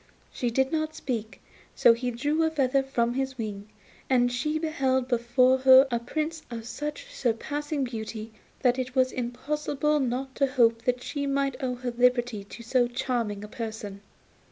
She did not speak, so he drew a feather from his wing, and she beheld before her a Prince of such surpassing beauty that it was impossible not to hope that she might owe her liberty to so charming a person.